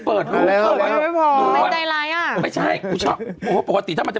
เปิดหน้าสวยให้ประชาชนเห็นหน้าเท่าไหร่